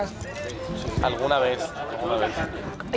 สักครั้ง